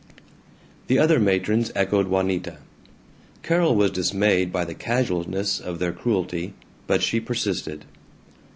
The other matrons echoed Juanita. Carol was dismayed by the casualness of their cruelty, but she persisted.